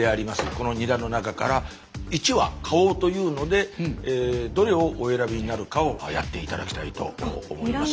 このニラの中から１把買おうというのでどれをお選びになるかをやって頂きたいと思います。